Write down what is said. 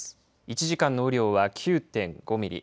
１時間の雨量は９．５ミリ。